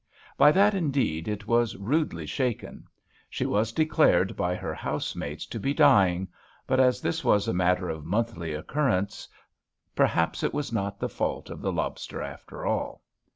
By that, indeed, it was rudely shaken ; she was de clared by her housemates to be dying, but as this was a matter of monthly occurrence, perhaps it was not the fault of the lobster after all.